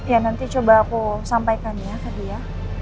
ya nanti coba aku sampaikan ya ke dia